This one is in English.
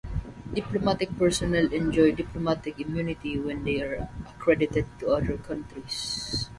Diplomatic personnel enjoy diplomatic immunity when they are accredited to other countries.